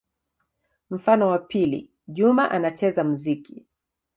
Mfano wa pili: Juma anacheza muziki.